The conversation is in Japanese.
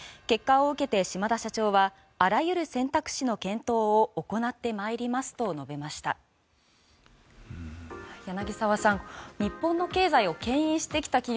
結果を受けて、島田社長はあらゆる選択肢の検討を行ってまいりますと述べました。